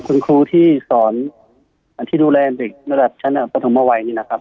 คุณครูที่ดูแลเด็กของฉันก็ถึงเมื่อวัยนี่ครับ